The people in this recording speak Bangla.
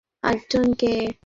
ঐটাই তো সমস্যা।